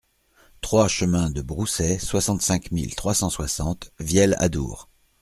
trois chemin de Brousset, soixante-cinq mille trois cent soixante Vielle-Adour